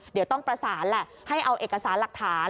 เดี๋ยวต้องประสานแหละให้เอาเอกสารหลักฐาน